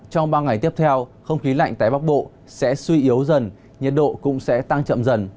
trong ba ngày tiếp theo không khí lạnh tại bắc bộ sẽ suy yếu dần nhiệt độ cũng sẽ tăng chậm dần